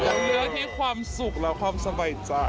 เลือกที่ความสุขและความสบายใจ